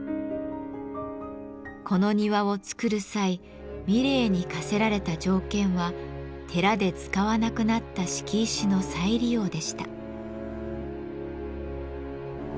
この庭を造る際三玲に課せられた条件は寺で使わなくなった敷石の再利用でした。